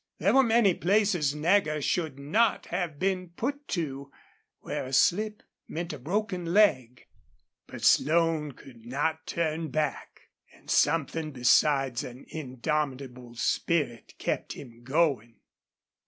There were many places Nagger should not have been put to where a slip meant a broken leg. But Slone could not turn back. And something besides an indomitable spirit kept him going.